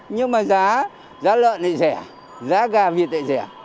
nhưng mà giá lợn lại rẻ giá gà việt lại rẻ